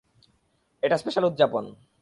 এটা স্পেশাল উদযাপন।